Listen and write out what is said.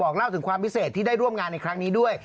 เล่าถึงความพิเศษที่ได้ร่วมงานในครั้งนี้ด้วย